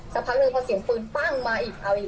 ซักพันครึ่งถ้าเสียงปืนปั๊่งมาอีก